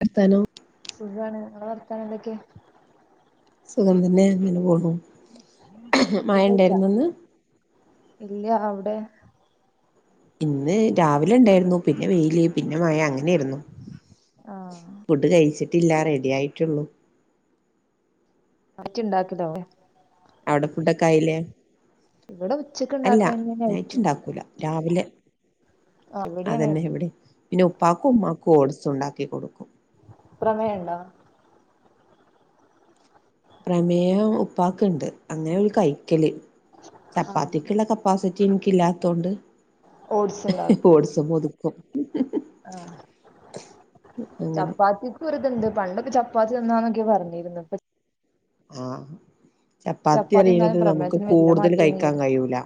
വർത്താനം സുഖാണ് ഇങ്ങളെ വർത്താനം എന്തൊക്കെ സുഖം തന്നെ ഇങ്ങനെ പോണു മഴ ഫുഡഴിച്ചാ ഉണ്ടായിരുന്നന്ന് ഇല്ല അവിടെ ഇന്ന് രാവിലെ ഇണ്ടായിരുന്നു പിന്നെ വെയില് പിന്നെ മഴ അങ്ങനെയിരുന്നു ആഹ് ഫുഡ് കഴിച്ചിട്ടില്ല റെഡി ആയിട്ടുള്ളൂ അടച്ചിണ്ടാക്കലോ അവടെ ഫുഡൊക്കെ ആയില്ലേ ഇവടെ ഉച്ചക്ക് അല്ല ഇണ്ടാക്കണേന്നെ നൈറ്റ് നൈറ്റും ഉണ്ടാക്കൂല രാവിലെ ആഹ് ഇവിടിം അതന്നെ അങ്ങനെക്കൊന്നെ ഇവിടെ പിന്നെ ഉപ്പാക്കും ഉമ്മാക്കും ഓട്സ് ഉണ്ടാക്കി കൊടുക്കും പ്രമേയണ്ട പ്രമേഹം ഉപ്പാക്ക്ണ്ട് അങ്ങനെ ഓല് കൈക്കല് ചപ്പാത്തിക്കുള്ള ക പ്പാസിറ്റി എനിക്ക് ഇല്ലാത്തൊണ്ട് ഓട്സ് ഇണ്ടാക്കോ ചുമ്മാ ഒതുക്കും ആഹ് അങ്ങനെ ചപ്പാത്തി ക്കൊരുതണ്ട് പണ്ടൊക്കെ ചപ്പാത്തി തന്നാന്നൊക്കെ പറഞ്ഞിരുന്ന് ഇപ്പ ആഹ് ചപ്പാത്തി തിന്നാലും പറയണത് നമുക്ക് പ്രമേഹത്തിന് വല്യ കൂടുതല് കഴിക്കാൻ മാറ്റൊന്നുമില്ലല്ലോ കഴിയൂല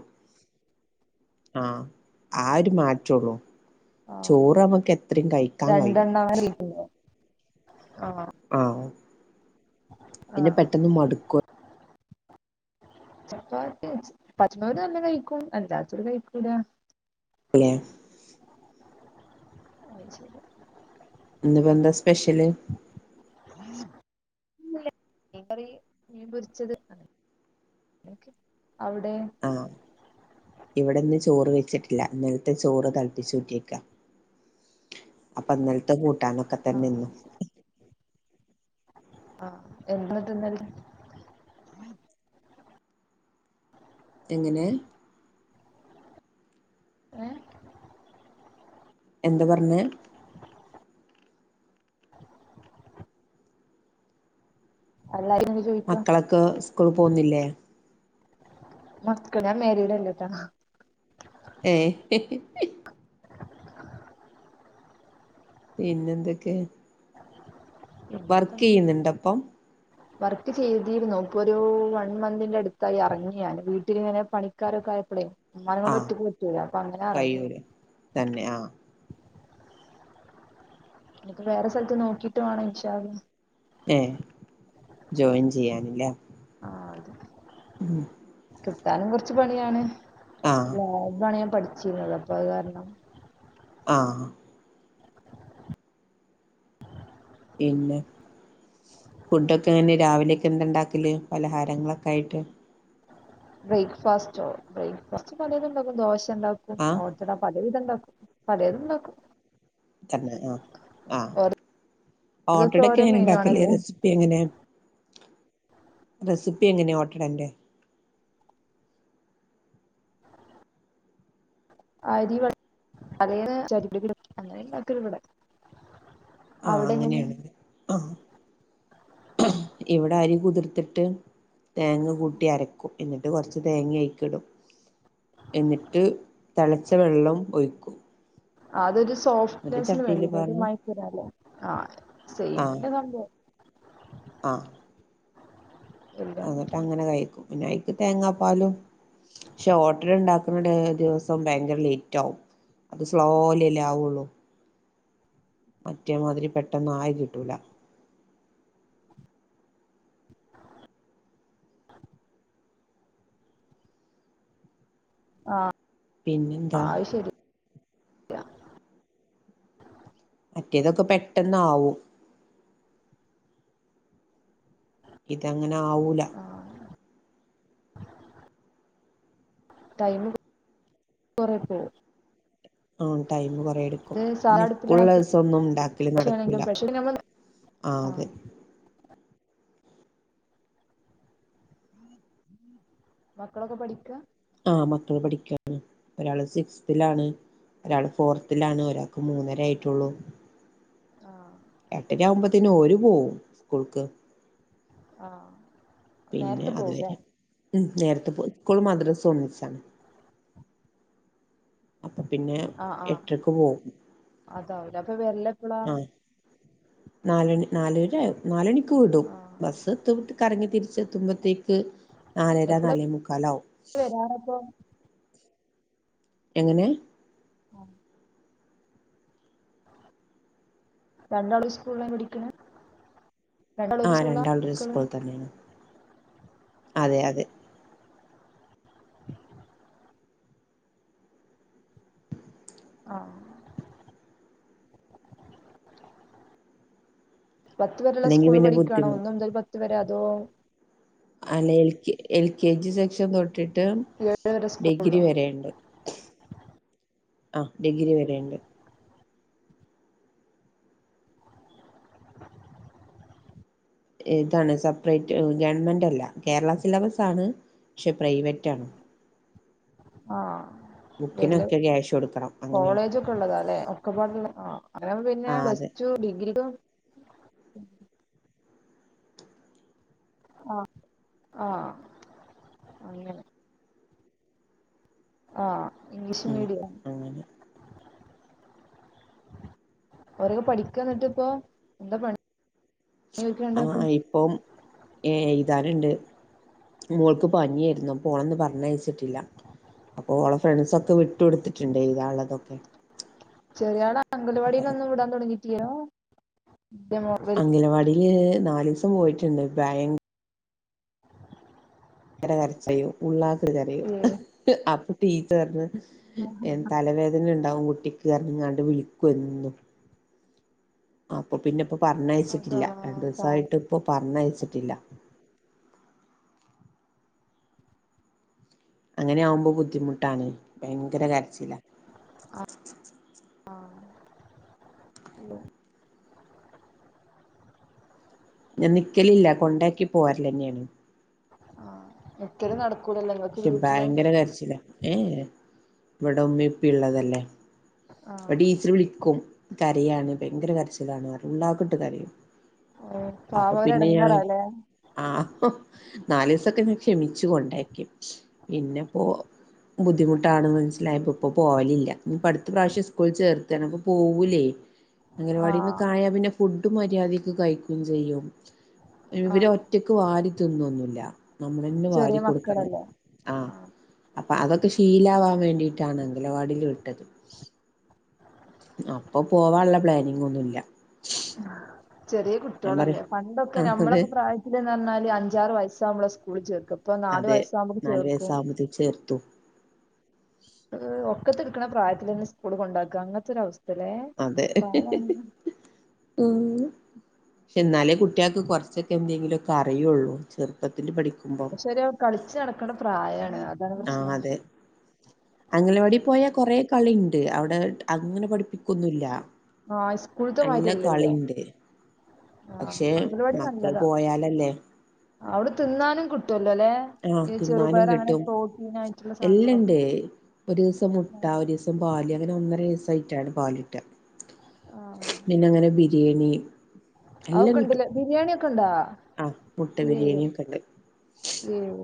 ആഹ് ആ ഒര് മാറ്റൊള്ളൂ ചോറ് അമ്മുക്ക് എത്രം കഴിക്കാൻ കഴിയും നാല് പേര [unintelligible] ആഹ് ആഹ് പിന്നെ ആഹ് പെട്ടെന്ന് മടു ചപ്പാത്തി എച്ച് പറ്റുണോര് നല്ല കഴിക്കും അല്ലാത്തോര് കഴിക്കൂല അല്ലെ അയ്ശരി ഇന്ന്പ്പെന്താ സ്പെഷ്യല് ഒന്നുല്ല മീൻ കറി മീൻ പൊരിച്ചത് അങ ക്കെ അവിടെ ആഹ് ഇവിടെന്ന് ചോറ് വെച്ചിട്ടില്ല ഇന്നലത്തെ ചോറ് തളപ്പിച്ച് ഊറ്റിക്ക അപ്പൊ ഇന്നലത്തെ കൂട്ടാനൊക്കെ തന്നെ ആഹ് ഇന്നും ആഹ് എന്തിന്നിട്ട് ഇന്നലെ എങ്ങനെ ഏഹ് എന്ത് പറഞ്ഞ് എല്ലാരും [unintelligible] മക്കളൊക്കെ സ്കൂൾ പോവ്ന്നില്ലേ മക്ക ഞാൻ മാരീടല്ലട്ട ഏഹ് പിന്നെന്തെക്കെ [unintelligible] ചെയ്യുന്നുണ്ടപ്പം വർക്ക് ചെയ്തിരുന്നു ഇപ്പൊ ഒരു വൺ മന്തിന്റെ അടുത്തായി അറങ്ങിയാണ് വീട്ടിലിങ്ങനെ പണിക്കാരൊക്കെ ആയപ്പളെയ് ഇമ്മനെ കൊണ്ട് ആഹ് ഒറ്റക്ക് പറ്റൂല അപ്പ അങ്ങനെ അറങ്ങി ഞാമ് കഴിയൂലേ തന്നെ ആഹ് ഞ് ക്ക് വേറെ സ്ഥലത്ത് നോക്കിയിട്ട് വാണം ഇന്ഷാ അള്ളാഹ് ഏഹ് ജോയിൻ ചെയ്യാന് ല്ലേ ആഹ് അതെ ഉം കിട്ടാനും കൊറച്ച് പണിയാണ് ആഹ് ല്ലെ താണ് ഞാൻ പഠിച്ചിരുന്നത് അപ്പൊ അത് കാരണം ആഹ് ഇമ്മെ ഫുഡൊക്കെ എങ്ങനെ രാവിലെയൊക്കെ എന്ത് ണ്ടാക്കല് പലഹാരങ്ങളൊക്കെ ആയിട്ട് ബ്രേക്ക്ഫാസ്റ്റോ ബ്രേക്ക്ഫാസ്റ്റ് പലതുംണ്ടാക്കും ദോശ ആഹ് ഉണ്ടാക്കുംഓ ട്ടട പല വിധം ണ്ടാക്കും പലേതും ണ്ടാക്കും തന്നെ ആഹ് ആഹ് ഓരോ ദിവസം ഓരോ ഓട്ടടൊക്കെങ്ങനെ മെനു ണ്ടാക്കല് ആണല്ലോ റെസി പ്പി എങ്ങനെ റെസിപ്പി എങ്ങനെ ഓട്ടടന്റെ [inaudible] അരി വ [unintelligible] അങ്ങനെണ്ടാക്കല് വടെ [inaudible] ആഹ് അങ്ങനെയാണിവ്ടെ ആഹ് ഇവിടെ ആരി കുതിർത്തിട്ട് തേങ്ങ കൂട്ടി അരക്കും എന്നിട്ട് കൊറച്ച് തേങ്ങി അയിക്കിടും എന്നിട്ട് തെളച്ച വെള്ളം ഒഴിക്കും അതൊരു എന്നിട്ട് സോഫ്റ്റ്നെസ്ന് ചട്ടിയില് വേണ്ടിയിട്ട് ഒരു പാർന്ന് മയത്തിനാ ല്ലെ ആഹ് ആഹ് സെയിംന്നെ കണ്ട് ആഹ് എല്ലാം എന്നിട്ട് അങ്ങനെ കഴിക്കും പിന്നെ അയിക്ക് തേങ്ങാപ്പാലും പഷേ ഓട്ടടണ്ടാക്കുന്ന ഡേ ദിവസം ഭയങ്കര ലേറ്റ് ആവും അത് സ്ലോലല്ലേ ആവുള്ളൂ മറ്റേമാതിരി പെട്ടന്നായി കിട്ടൂല [inaudible] ആഹ് പിന്നിന്താ അത് ശരിയാ മറ്റേതൊക്കെ പെട്ടെന്നാവും ഇതങ്ങനെ ആവൂല ആഹ് ടൈമ് കൊറേ പോവും ഉം ടൈമ് കൊറെ എടുക്കും ഇത് സാധാ പിന്നെ സ്കൂളുള്ള അടുപ്പിലാണെങ്കിലും ദിവസം ഒന്നും ണ്ടാക്കല് നടക്കൂല പക്ഷാണെങ്കിലും പക്ഷെ നമ്മൾ ആഹ് അതെ മക്കളൊക്കെ പഠിക്കാ ആഹ് മക്കള് പഠിക്കാണ് ഒരാള് സിക്സ്ത്തിലാണ് ഒരാള് ഫോർത്തിലാണ് ഒരാൾക്ക് മൂന്നര ആയിറ്റൊള്ളൂ ആഹ് എട്ടരവുമ്പോത്തിന് ഓല് പോവും സ്കൂൾക്ക് ആഹ് പിന്നെ നേരത്തെ പോവുല്ലേ അതുവരെ ഉ നേരത്തെ പോ സ്കൂൾ മദ്രസ് ഒന്നിച്ചാണ് അപ്പൊ പിന്നെ എട്ടരയ്ക്ക് പോവും അതാവേ അപ്പൊ വെരല്ലോ ആഹ് നാലണി നാലര നാലണി വിടും ആഹ് ബസെത്തി വിട്ട് കറങ്ങി തിരിച്ചെത്തുമ്പത്തേക്ക് നാലര നാലേമുക്കാലാവും വരാണപ്പം എങ്ങനേ ആഹ് രണ്ടാളും ഒരു സ്കൂളിലാ പഠിക്കണേ രണ്ടാളും ഒര് സ്കൂളിലാ മക്കള് അ [unintelligible] അതെ അതെ ആഹ് പത്തു വരെയുള്ള അല്ലെങ്കിൽ സ്കൂള് പിന്നെ പഠിക്കാണോ ബുദ്ധിമുട്ട് ഒന്നു മുതൽ പത്തു വരെ അതോ അല്ല L K L K G section തൊട്ടിട്ട് ഏഴര വരെ സ്കൂൾ ഡിഗ്രി വരെയുണ്ടെ ആഹ് ഡിഗ്രി വറരെയുണ്ട് ഇതാണ് സപ്രൈറ്റ് ഗവൺമെന്റല്ല കേരള സിലബസാണ് പക്ഷെ പ്രൈവറ്റാണ് ആഹ് വല്യ ബുക്കിനൊക്കെ ക്യാഷൊണ്ട് കോളേജൊക്കെ ഇള്ളതാല്ലെ ഒക്കെപാടള്ള ആഹ് അങ്ങനെയാവുമ്പോ പിന്നെ ആഹ് പ്ലസ് അതെ ടു ഡിഗ്രി ആഹ് ആഹ് അങ്ങനെ ആഹ് ഇംഗ്ലീഷു ഉം മീഡിയം അങ്ങനെ അവരൊക്കെ പഠിക്ക എന്നിട്ടിപ്പ എന്താ പ ആഹ് ഇപ്പം ഏഹ് എഴുതാനുണ്ട് മോൾക് പനിയായിരുന്നു അപ്പ ഓളന്ന് പറഞ്ഞയച്ചിട്ടില്ല അപ്പൊ ഓളെ ഫ്രോൻഡ്‌സൊക്കെ വിട്ടു കൊടുത്തിട്ടുണ്ട് ഏഴുതാനൊള്ളതൊക്കെ ചെറിയാളെ അംഗല വാടിയിലൊന്നും വിടാൻ തുടങ്ങീട്ടില്യല്ലോ അംഗനവാടിയില് നാല് ദിവസം പോയിട്ടുണ്ട് ഭയങ്കര് ഭയങ്കര കരച്ചിലായില് ഉള്ളാക്ട്ട് കരയും ഏഹ് അപ്പൊ ടീച്ചറർന്ന് തലവേദന വേദന ഇണ്ടാവുന്ന പറഞു വിളിക്കൂ മെന്നും അപ്പൊ പിന്നപ്പോ അതാ പറഞ്ഞയച്ചിട്ടില്ല രണ്ടു പാവം ദിവസായിട്ടിപ്പ പറഞ്ഞയച്ചിട്ടില്ല അങ്ങനെയാവുമ്പം ബുദ്ധിമുട്ടാണേ ഭയങ്കര കരച്ചിലാ ആഹ് ആഹ് അെ [unintelligible] ഞാൻ നിക്കലില്ല കൊണ്ടാക്കി പോരല്ലെന്നേണ് ആഹ് നിക്കല് നടക്കൂലല്ലോ ങ്ങക്ക് പക്ഷെ വീട്ടിലെ ഭയങ്കര കരച്ചിലാ ഏഹ് ഇവിടുമ്മിപ്പിള്ളതല്ലേ അവിടെ ആഹ് ടീച്ചർ വിളിക്കും ക്കറിയാന്നേ ഭയങ്കര കരച്ചിലാണ് പറയും ഉള്ളാക്കിട്ട് കരയും ഓഹ് അപ്പോ പാവം അവര് പിന്നെ ഞാൻ എടങ്ങേറാല്ലേ ആഹ് നാലീസൊക്കെ ഞാൻ ക്ഷമിച്ചുമിച്ചുകൊണ്ടാക്കി പിന്നെപ്പോ ബുദ്ധിമുട്ടാണെന്ന് മനസ്സിലായപ്പ ഇപ്പ പോവലില്ല ഇനിപ്പ അടുത്ത പ്രാവശ്യം സ്കൂളി ചേർത്താണ് അപ്പൊ പോവൂല്ലായ് ഉ [unintelligible] അംഗൻവാടീന്നൊക്കെ ആയാ പിന്നെ ഫുഡ് മര്യാദക്ക് കയിക്കുവേം ചെയ്യും ഇവര് ആഹ് ഒറ്റക്ക് വാരി തിന്നൊന്നില്ല നമ്മളന്നെ ചെറിയ വാരി കൊടുക്കണം മക്കളല്ലേ ആഹ് അപ്പ അതൊക്കെ ശീലാവാൻ വേണ്ടീട്ടാണ് അംഗലവാടിയില് വിട്ടത് അപ്പ പോവാനുള്ള പ്ലാനിങ്ങൊന്നുല്ല ചെറിയ പറ കുട്ടികളല്ലേ പണ്ടൊക്കെ ആഹ് അതെ നമ്മളൊക്കെ പ്രായത് നന്നാലേ അഞ്ചാറ് വയസ്സാവുമ്പളെ സ്കൂളിൽ ചേർക്കും ഇപ്പം നാലു വയസാവുമ്പോ ചേർക്കും [unintelligible] ഉം ഒക്കത്തിരിക്കണ പ്രായത്തിലന്നെ സ്കൂളി കൊണ്ടാക്കുക അങ്ങനെത്തൊരവസ്ഥല്ലേ അതെ പ്രായാ ഉം പക്ഷെ എന്നാലേ കുട്ടികൾക്ക് കൊറച്ചൊക്കെ എന്തെങ്കിലുഒക്കെ അറിയുള്ളൂ ചെറുപ്പത്തിനല് പഠിക്കുമ്പോം പക്ഷെ ഒരു കളിച്ച് നടക്കണ്ട പ്രായമാണ് ആഹ് അതെ അംഗനവാടി പോയാ കൊറെ കളിയുണ്ട് അവിടെ അങ്ങനെ പഠിപ്പിക്കൊന്നില്ല ആഹ് സ്കൂളത്തെ മാരിയില്ലല്ലോ ആഹ് പക്ഷെ അംഗനവാടി മക്കള് നല്ലതാ പോയാലല്ലേ അവിടെ തിന്നാനും കിട്ടുവല്ലോല്ലെ ആഹ് തിന്നാനും കിട്ടും ആയിട്ടുള്ള സാധനങ്ങളൊക്കെ എല്ലാണ്ടേ ഒരു ദിവസം മുട്ട ഒരു ദിവസ സം പാല് അങ്ങനെ ഒന്നര വയസ്സായിട്ടാണ് പാലിട്ടാ ആഹ് പിന്നെ അങ്ങനെ ബിരിയാണി എല്ലാം അതൊക്കെ കിട്ടും ഉണ്ടല്ലേ ബിരിയാണി ഒക്കെ ഉണ്ടോ ആഹ് മുട്ട ബിരിയാണി ഒക്കെ ഉണ്ട് ഉം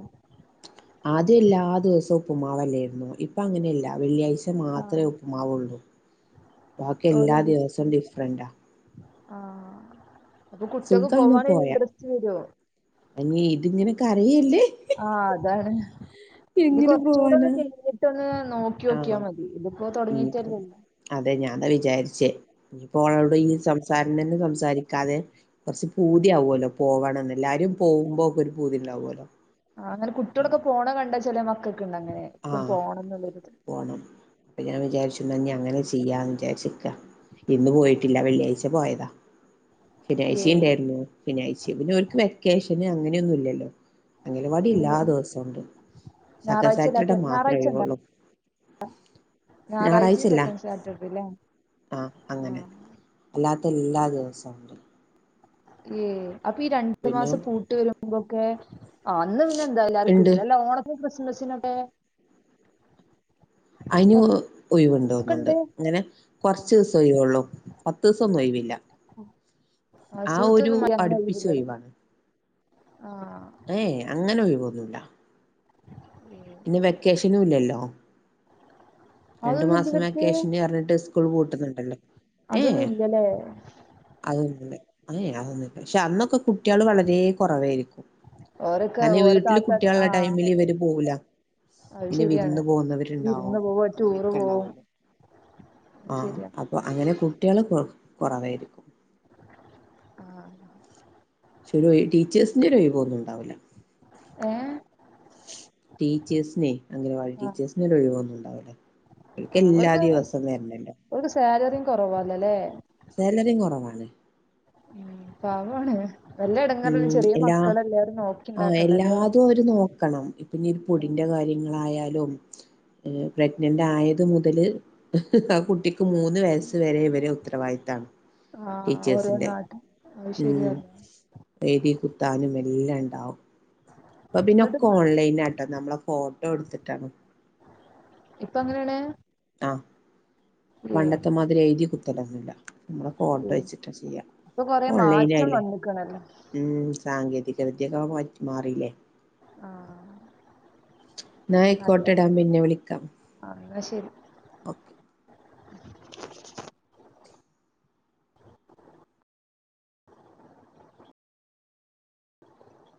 ആദ്യം എല്ലാദിവസവും ഉപ്പ്മാവല്ലായിരുന്നോ ഇപ്പൊ അങ്ങനെയല്ല വെള്ളിയാഴ്ച മാത്രമേ ആഹ് ഉപ്പ്മാവുള്ളൂ ബാക്കി ഓരോ എല്ലാ ദിസ് ദിവസവും ഡിഫറന്റാ ആഹ് അപ്പൊ കുട്ടിയോൾക് പോവാൻ ഇൻട്രസ്റ്റ് വരുവോ അനി ഇതിങ്ങനെ കരയല്ലേ ആഹ് അതാണ് ഇത് എങ്ങനെ കുറച്ച് കൂടെ ഒന്ന് പോവാനാ കഴിഞ്ഞിട്ട് ഒന്ന് നോക്കി നോക്കിയാ ആഹ് മതി ഇതിപ്പോ ഇനിയിപ്പോ തുടങ്ങീട്ടല്ലേ ഉള്ളു അതെ ഞാനതാ വിചാരിച്ചേ ഇനിപ്പോളോട് ഈ സംസാരം തന്നെ സംസാരിക്കാതെ കുറച്ച് പൂതിയാവുമല്ലോ പോവണംന്ന് എല്ലാരും പോകുമ്പോ ഒക്കെ ഒരു പൂതി ഉണ്ടവുമല്ലോ ആഹ് അങ്ങനെ കുട്ടികളൊക്കെ പോണ കണ്ടാ ചില മക്കൾക്ക് ഉണ്ട് അങ്ങനെ ഇപ്പും ആഹ് പോണം എന്നുള്ളത് പോണം അപ്പൊ ഞാൻ വിചാരിച്ചു ഇനി എന്നാ അങ്ങനെ ചെയ്യാന്ന് വിചാരിച്ചിക്കാ ഇന്ന് പോയിട്ടില്ല വെള്ളിയാഴ്ച പോയതാ ശനിയാഴ്ചയും ഏഹ് ഉണ്ടായിരുന്നു ശെനിയാഴ്ച പിന്നെ അവർക്ക് വെക്കേഷന് അങ്ങനെയൊന്നും ഇല്ലല്ലോ അംഗനവാടി ഇല്ല എല്ലാ ദിവസോണ്ട് സെക്കൻ സാറ്റർഡേ ഞായറാഴ്ചല്ലാത്ത മാത്രേ ഞായറാഴ്ചണ്ടാ ഒഴിവുള്ളു ഞായറാഴ്ചിം ഞായറാഴ്ചയില്ല സെക്കൻഡ് സാറ്റർഡേല്ലേ ആഹ് അങ്ങനെ ആഹ് അല്ലാത്ത എല്ലാ ദിവസം ഉണ്ട് ഉം അപ്പൊ ഈ രണ്ടു മാസം പൂട്ട് വരുമ്പോക്കെ ആഹ് അന്ന് പിന്നെ എന്താ ഇണ്ട് എല്ലർക്കുണ്ട് അല്ല ഓണത്തിനും ക്രിസ്മസിനൊക്കെ അയിന് ഒഴിവുണ്ട് തോന്നുണ്ട് ഒക്കെണ്ട് ഇങ്ങനെ കുറച്ച് ദിവസം ഒഴിവൊള്ളൂ പത്ത് ദിവസം ഒന്നും ഒഴിവില്ല ആഹ് ഒരു സ്കൂൾത്തൊന്നും അങ്ങനെ അടുപ്പിച്ച ഒഴിവില്ലല്ലോ ഒഴിവാണ് ആഹ് ഏയ് അങ്ങനെ ഒഴിവൊന്നൂല്ല ഉം പിന്നെ വെക്കേഷനും ഇല്ലല്ലോ രണ്ടു അതൊന്നുല്ല മാസം ഇവർക്ക് വെക്കേഷന് പറഞ്ഞിട്ട് സ്കൂൾ പൂട്ടുന്നുണ്ടല്ലോ അതൊന്നും ഇല്ലല്ലേ അതൊന്നുംല്ല ഏഹ് അതൊന്നുമില്ല പക്ഷെ അന്നൊക്കെ കുട്ടികള് വളരെ കുറവായിരിക്കും ഓരൊക്കെ അയിന് ഓരോ വീട്ടില് താത്ത ആ കുട്ടിയോളുള്ള ടൈമില് ഇവര് പോവൂല അത് പിന്നെ ശരിയാണ് വിരുന്ന് പോകുന്നവരുണ്ടാവും വിരുന്ന് പോവും ടൂറ് അങ്ങനെയൊക്കെ പോവും ശെരിയാ അപ്പോ അങ്ങനെ കുട്ടികൾ കൊ കുറവായിരിക്കും ആഹ് പക്ഷെ ഒരു ടീച്ചേഴ്സിന്റെ ഒരു ഒഴിവൊന്നുംണ്ടാവില്ല ഏഹ് ടീച്ചേഴ്സിനെ അംഗൻവാടി ആ ടീച്ചേഴ്സിന ഒരു ഒഴിവന്നുന്നുണ്ടാവില്ല ഓൽക്ക് എല്ലാ ദിവസവും വരണല്ലോ ഓല്ക്ക് സാലറിയും കുറവല്ലല്ലേ സേലറിം കൊറവാണ് ഉം പാവാണ് നല്ല എടങ്ങേറല്ലെ ഉം ചെറിയ എല്ലാ മക്കളെല്ലേ അവരെ നോക്കി ഉണ്ടാക്കണ്ടല്ലേ പിന്നീ പൊടിൻ്റെ കാര്യങ്ങളായാലും പ്രഗ്നന്റ് ആയത് മുതല് ആഹ് കുട്ടിക്ക് മൂ ന്ന് വയസ്സ് വരെ ഇവരെ ഉത്തരവാദിത്താണ് ആ ഓരോ ടീച്ചേഴ്സിന്റെ നാട്ട് അത് ഉം ശരിയാണ് എയ്തി കുത്താനും എല്ലം ഇണ്ടാവും ഇപ്പൊ പിന്നെ എന്നിട്ട് ഒക്കെ ഓൺലൈൻ ആട്ടോ നമ്മളെ ഫോട്ടോ ഇട്ത്തിട്ടാണ് ഇപ്പ അങ്ങനേണ് ആഹ് പണ്ടത്തെമാതിരി എഴുതി കുത്തലൊന്നുല്ല അമ്മളെ ഫോട്ടോ ഏ വെച്ചിട്ട ചെയ്യാ ഇപ്പൊ കൊറേ ഓൺലൈൻ മാറ്റം ആയില്ലേ വന്ന്ക്ക്‌ണല്ലേ ഉം സാങ്കേതികവിദ്യകളൊ മാറ്റി മാറില്ലേ ആഹ് ഇന്നാ ആയ്ക്കോട്ടെ ടാ പിന്നെ വിളിക്കാം അഹ് ഇന്നാ ശെരി ഓക്കെ